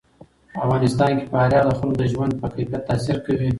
په افغانستان کې فاریاب د خلکو د ژوند په کیفیت تاثیر کوي.